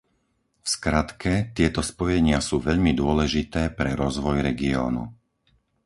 V skratke, tieto spojenia sú veľmi dôležité pre rozvoj regiónu.